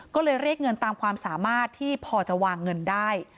ก็เลยเรียกเงินตามความสามารถที่พอจะวางเงินได้